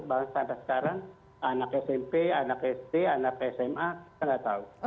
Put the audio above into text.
bahkan sampai sekarang anak smp anak sd anak sma kita nggak tahu